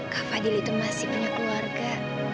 kak fadil itu masih punya keluarga